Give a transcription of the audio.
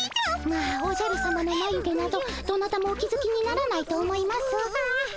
まあおじゃるさまのまゆ毛などどなたもお気づきにならないと思いますが。